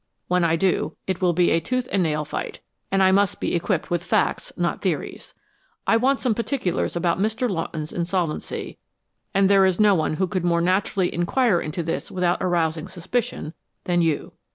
When I do, it will be a tooth and nail fight, and I must be equipped with facts, not theories. I want some particulars about Mr. Lawton's insolvency, and there is no one who could more naturally inquire into this without arousing suspicion than you."